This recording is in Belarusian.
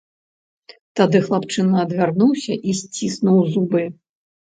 Тады хлапчына адвярнуўся і сціснуў зубы.